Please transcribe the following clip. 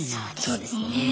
そうですね。